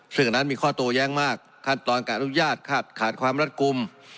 ซึ่งอันนั้นมีข้อโตแย้งมากขั้นตอนการอนุญาตขาดความรัดกลุ่ม